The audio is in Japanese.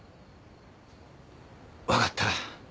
分かった。